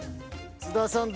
津田さん